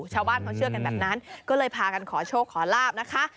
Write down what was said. ชาวบ้านเขาเชื่อกันแบบนั้นก็เลยพากันขอโชคขอลาบนะคะ